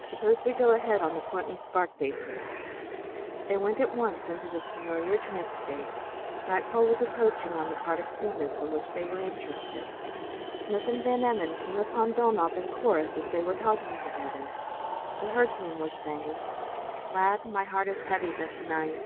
Suppose we go ahead on the flint and spark basis." They went at once into the familiar trance state. Nightfall was approaching on the part of Sanus in which they were interested. Smith and Van Emmon came upon Dulnop and Corrus as they were talking together. The herdsman was saying: "Lad, my heart is heavy this night."